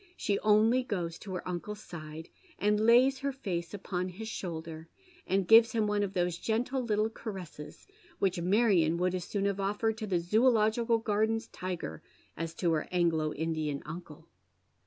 She only goes to her uncle's side, and lays her face upon his shoulder, and gives him one of those gentle little caresses which Marion would as soon have offered to the Zoological Garden's tiger as to her Anglo Indian uncle.